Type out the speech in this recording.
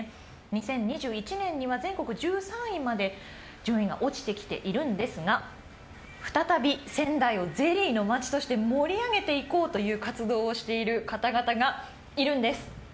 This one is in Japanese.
２０２１年には全国１３位まで順位が落ちてきているんですが再び仙台をゼリーの街として盛り上げていこうという活動をしている方々がいるんです。